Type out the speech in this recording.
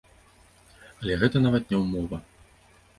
Але гэта нават не ўмова.